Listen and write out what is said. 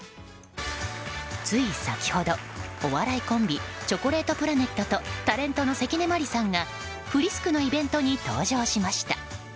つい先ほど、お笑いコンビチョコレートプラネットとタレントの関根麻里さんがフリスクのイベントに登場しました。